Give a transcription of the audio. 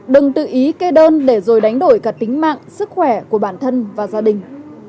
đừng tự ý kê đơn để rồi đánh đổi cả tính mạng sức khỏe của bản thân và gia đình